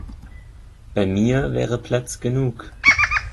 Bei mir wäre Platz genug.